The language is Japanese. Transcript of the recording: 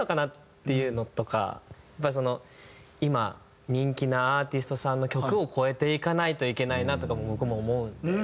っていうのとかやっぱり今人気なアーティストさんの曲を超えていかないといけないなとかも僕も思うので。